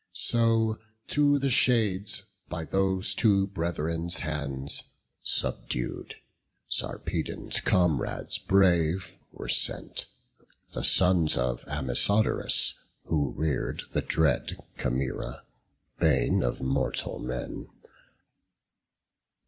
So to the shades, by those two brethren's hands Subdued, Sarpedon's comrades brave were sent, The sons of Amisodarus, who rear'd The dread Chimaera, bane of mortal men.